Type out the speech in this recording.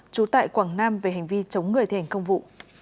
trú tại quảng nam về hành vi chống người thi hành công vụ